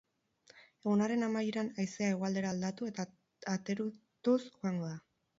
Egunaren amaieran haizea hegoaldera aldatu eta atertuz joango da.